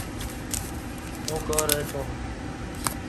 اوں کار اتوم۔